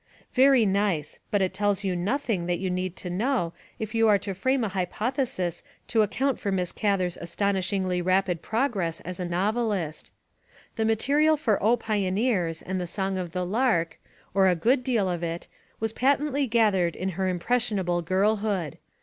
Very nice, but it tells you nothing that you need to know if you are to frame a hypothesis to account for 258 THE WOMEN WHO MAKE OUR NOVELS Miss Gather's astonishingly rapid progress as a novel ist. The material for O Pioneers! and The Song of the Lark, or a good deal of it, was patently gathered in her impressionable girlhood.